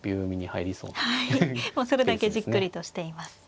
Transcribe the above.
はいそれだけじっくりとしています。